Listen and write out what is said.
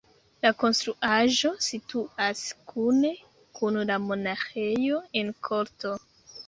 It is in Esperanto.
La konstruaĵo situas kune kun la monaĥejo en korto.